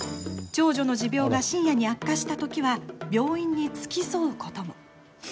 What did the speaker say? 長女の持病が深夜に悪化したときは病院に付き添うことも。